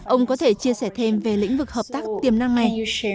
ông có thể chia sẻ thêm về lĩnh vực hợp tác tiềm năng này